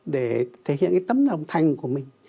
để thể hiện cái tấm lòng thành của mình